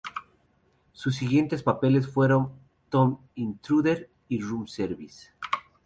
Sus siguientes papeles fueron en "The Intruder" y "Room Service".